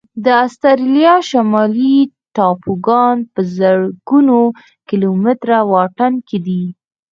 د استرالیا شمالي ټاپوګان په زرګونو کيلومتره واټن کې دي.